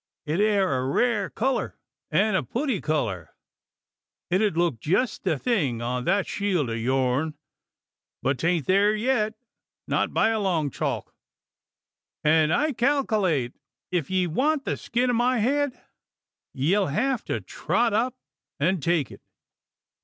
It air a rare colour, an' a putty colour. It 'ud look jest the thing on thet shield o' yourn; but 'tain't there yet, not by a long chalk; an' I kalklate ef ye want the skin o' my head, ye'll have to trot up an' take it."